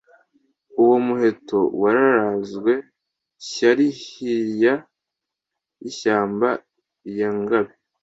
uwo muheto wararanzwe Shyali hirya y’ishyamba lya Ngabe